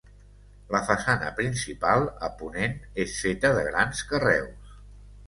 La façana principal, a ponent, és feta de grans carreus.